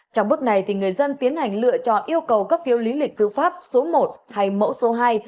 trong bước này người dân tiến hành lựa chọn yêu cầu cấp phiếu lý lịch tư pháp số một hay mẫu số hai